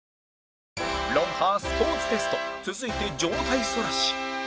『ロンハー』スポーツテスト続いて上体反らし